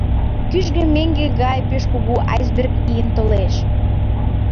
Кӱжгӧ меҥге гай пеш кугу айсберг ийын толеш.